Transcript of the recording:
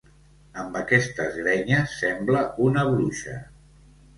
Amb aquestes grenyes sembla una bruixa.